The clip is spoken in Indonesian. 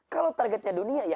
kalau targetnya dunia ya